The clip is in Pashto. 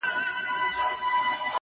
ستا د پښو ترپ ته هركلى كومه.